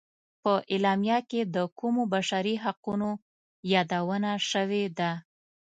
په اعلامیه کې د کومو بشري حقونو یادونه شوې ده.